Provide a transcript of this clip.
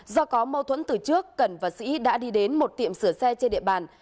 do có mâu thuẫn từ trước cẩn và sĩ đã đi đến một tiệm sửa xe trên địa bàn